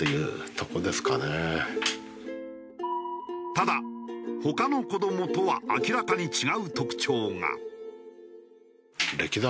ただ他の子供とは明らかに違う特徴が。